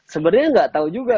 sebenarnya gak tau juga